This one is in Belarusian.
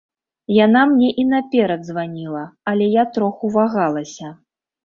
Яна мне і наперад званіла, але я троху вагалася.